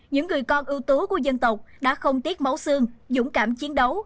những người con ưu tú của dân tộc đã không tiếc máu xương dũng cảm chiến đấu